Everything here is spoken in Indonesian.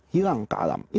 hilang ke alam